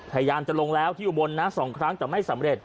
พยายามจะลงแล้วที่อุบลนะ๒ครั้งแต่ไม่สำเร็จ